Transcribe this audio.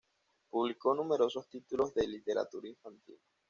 Publicó numerosos títulos de literatura infantil.